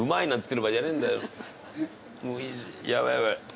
やばいやばい。